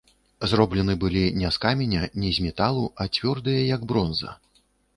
Зроблены былі не з каменя, не з металу, а цвёрдыя, як бронза.